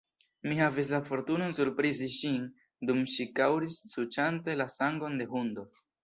Mi havis la fortunon surprizi ŝin, dum ŝi kaŭris suĉante la sangon de hundo.